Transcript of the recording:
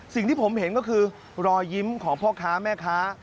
สิ่งที่ผมเห็นก็คือรอยยิ้มของพ่อค้าแม่ค้า